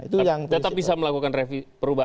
tetap bisa melakukan reviw